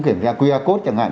kiểm tra qr code chẳng hạn